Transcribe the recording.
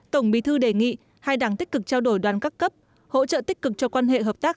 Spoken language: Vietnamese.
tổng bí thư đề nghị hai đảng tích cực trao đổi đoàn các cấp hỗ trợ tích cực cho quan hệ hợp tác